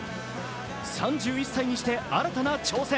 ３１歳にして新たな挑戦。